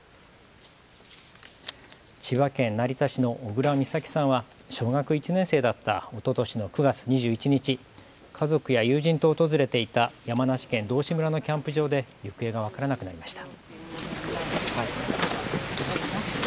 千葉県成田市の小倉美咲さんは小学１年生だったおととしの９月２１日、家族や友人と訪れていた山梨県道志村のキャンプ場で行方が分からなくなりました。